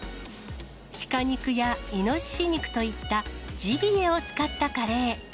シカ肉やイノシシ肉といったジビエを使ったカレー。